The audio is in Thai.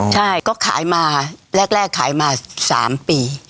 ใช่ก็ขายมาแรกขายมา๓ปี